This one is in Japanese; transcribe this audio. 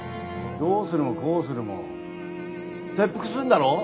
どうするもこうするも切腹するんだろ？